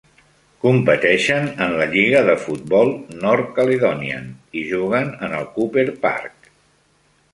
Competeixen en la lliga de futbol North Caledonian i juguen en el Couper Park.